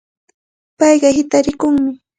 Payqa hitaraakunmi.